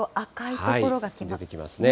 出てきますね。